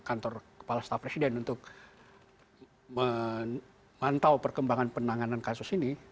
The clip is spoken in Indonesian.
kantor kepala staf presiden untuk memantau perkembangan penanganan kasus ini